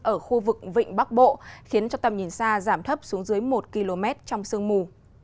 ở khu vực vịnh bắc bộ khiến cho tầm nhìn xa giảm thấp xuống dưới một km trong sương mù